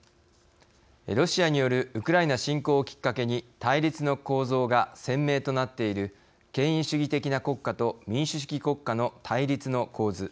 ロシアによるウクライナ侵攻をきっかけに対立の構造が鮮明となっている権威主義的な国家と民主主義国家の対立の構図。